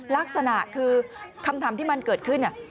ลักษณะคือคำถามที่มันเกิดขึ้น